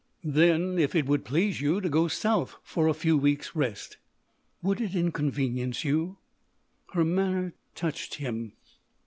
"Then, if it would please you to go South for a few weeks' rest——" "Would it inconvenience you?" Her manner touched him.